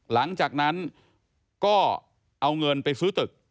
หลังจากนั้นก็เอาเงินไปซื้อตึก